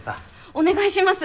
お願いします